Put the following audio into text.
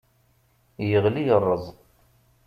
Yeɣli yerreẓ.